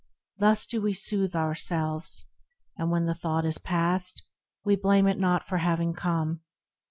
Thus do we soothe ourselves, and when the thought Is passed, we blame it not for having come.